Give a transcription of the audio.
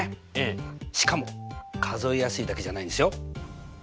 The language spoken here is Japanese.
しかも数えやすいだけじゃないんですよ。